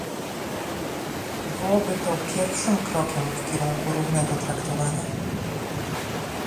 Byłoby to pierwszym krokiem w kierunku równego traktowania